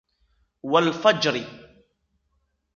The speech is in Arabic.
وَالْفَجْرِ